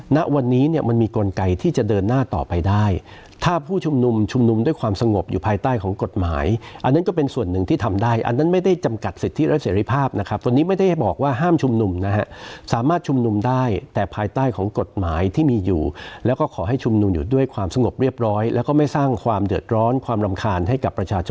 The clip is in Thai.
ณวันนี้เนี่ยมันมีกลไกที่จะเดินหน้าต่อไปได้ถ้าผู้ชุมนุมชุมนุมด้วยความสงบอยู่ภายใต้ของกฎหมายอันนั้นก็เป็นส่วนหนึ่งที่ทำได้อันนั้นไม่ได้จำกัดสิทธิและเสรีภาพนะครับตอนนี้ไม่ได้บอกว่าห้ามชุมนุมนะฮะสามารถชุมนุมได้แต่ภายใต้ของกฎหมายที่มีอยู่แล้วก็ขอให้ชุมนุมอยู่ด้วยความสงบเรียบร้อยแล้วก็ไม่สร้างความเดือดร้อนความรำคาญให้กับประชาชน